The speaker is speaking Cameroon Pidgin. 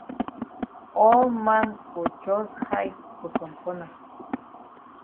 All man fon jus hide for some corner.